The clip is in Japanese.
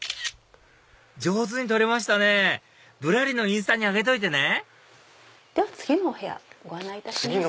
上手に撮れましたね『ぶらり』のインスタに上げといてねでは次のお部屋ご案内します。